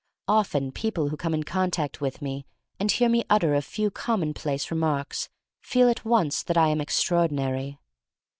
Often people who come in contact with me and hear me utter a few com monplace remarks feel at once that I am extraordinary.